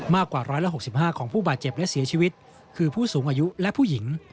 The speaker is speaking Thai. มากกว่า๑๖๕ของผู้บาดเจ็บและเสียชีวิตคือผู้สูงอายุและผู้หญิง